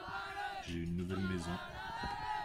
j'ai une nouvelle maison.